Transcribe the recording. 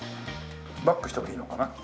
バックしてもいいのかな？